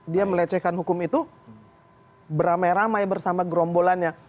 dia melecehkan hukum itu beramai ramai bersama gerombolannya